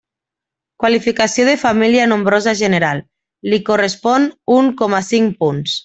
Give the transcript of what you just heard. Qualificació de família nombrosa general, li correspon un coma cinc punts.